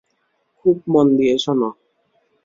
খুব মন দিয়ে শোন।